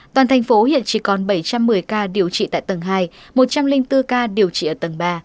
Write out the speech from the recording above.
toàn thành phố hiện chỉ còn bảy trăm một mươi ca điều trị tại tầng hai một trăm linh bốn ca điều trị ở tầng ba